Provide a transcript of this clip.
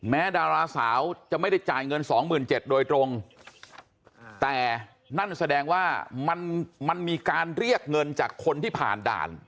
ดาราสาวจะไม่ได้จ่ายเงินสองหมื่นเจ็ดโดยตรงแต่นั่นแสดงว่ามันมันมีการเรียกเงินจากคนที่ผ่านด่าน